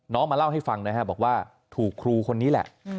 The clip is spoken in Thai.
มาเล่าให้ฟังนะฮะบอกว่าถูกครูคนนี้แหละ